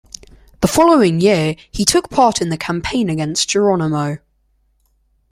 The following year, he took part in the campaign against Geronimo.